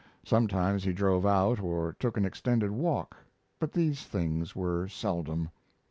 Sometimes he drove out or took an extended walk. But these things were seldom.